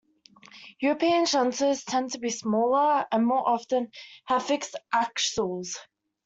European shunters tend to be smaller and more often have fixed axles.